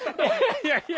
いやいや！